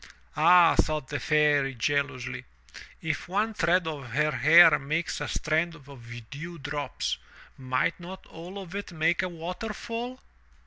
"Ah," thought the Fairy joyously, "if one thread of her hair makes a strand of dew drops, might not all of it make a waterfall?"